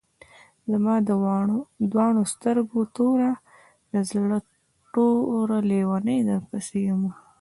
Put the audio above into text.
زما د دواڼو سترګو توره، د زړۀ ټوره لېونۍ درپسې يمه